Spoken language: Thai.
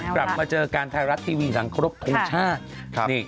กลับมาเจอกันไทยรัฐทีวีหลังครบทรงชาติ